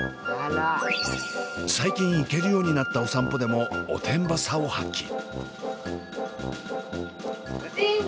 最近行けるようになったお散歩でもおてんばさを発揮。